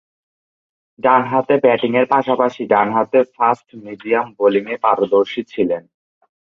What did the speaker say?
ডানহাতে ব্যাটিংয়ের পাশাপাশি ডানহাতে ফাস্ট-মিডিয়াম বোলিংয়ে পারদর্শী ছিলেন।